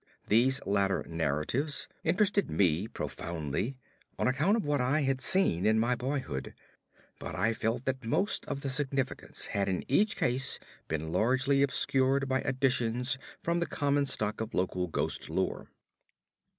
These latter narratives interested me profoundly, on account of what I had seen in my boyhood, but I felt that most of the significance had in each case been largely obscured by additions from the common stock of local ghost lore.